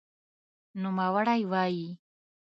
نوموړی وایي،